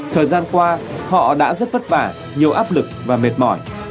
thời gian qua họ đã rất vất vả nhiều áp lực và mệt mỏi